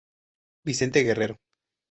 Vicente Guerrero.